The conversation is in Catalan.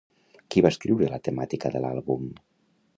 Qui va escriure la temàtica de l'àlbum?